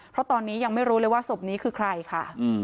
เพราะตอนนี้ยังไม่รู้เลยว่าศพนี้คือใครค่ะ